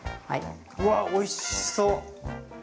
うわおいしそう！